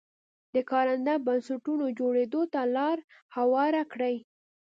د کارنده بنسټونو جوړېدو ته لار هواره کړي.